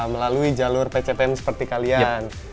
melalui jalur pctn seperti kalian